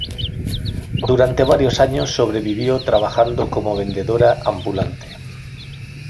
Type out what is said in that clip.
Durante varios años sobrevivió trabajando como vendedora ambulante.